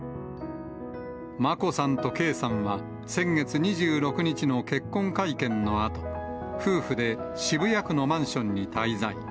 眞子さんと圭さんは、先月２６日の結婚会見のあと、夫婦で渋谷区のマンションに滞在。